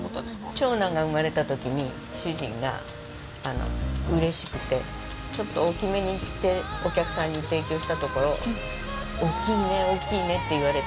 長男が生まれたときに主人が、うれしくてちょっと大きめにしてお客さんに提供したところ、大きいね、大きいねって言われて。